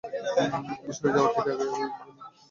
অবসরে যাওয়ার ঠিক আগেই আমি এই ভয়ানক পরিস্থিতিতে পড়েছি।